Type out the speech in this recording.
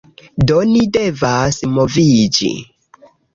Do ni devas moviĝi.